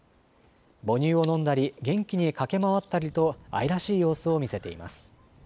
母乳を飲んだり元気に駆け回ったりと愛らしい様子を見せています。